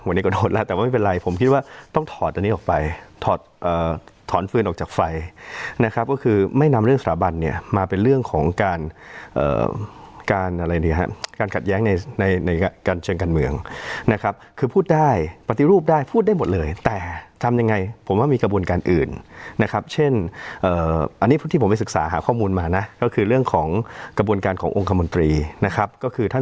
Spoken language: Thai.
วันนี้ก็โดนแล้วแต่ว่าไม่เป็นไรผมคิดว่าต้องถอดอันนี้ออกไปถอดถอนฟืนออกจากไฟนะครับก็คือไม่นำเรื่องสถาบันเนี่ยมาเป็นเรื่องของการการอะไรเนี่ยฮะการขัดแย้งในในการเชิงการเมืองนะครับคือพูดได้ปฏิรูปได้พูดได้หมดเลยแต่ทำยังไงผมว่ามีกระบวนการอื่นนะครับเช่นอันนี้ที่ผมไปศึกษาหาข้อมูลมานะก็คือเรื่องของกระบวนการขององค์คมนตรีนะครับก็คือท่าน